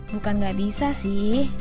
bukan gak bisa sih